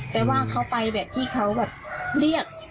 แต่ว่าเขาไปแบบที่เขาแบบเรียก